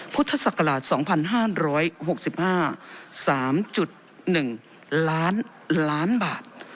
พุทธศักราชสองพันห้าร้อยหกสิบห้าสามจุดหนึ่งล้านล้านบาท